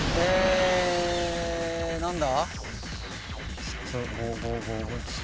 何だ？